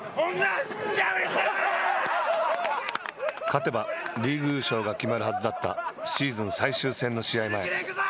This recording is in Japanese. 勝てばリーグ優勝が決まるはずだったシーズン最終戦の試合前。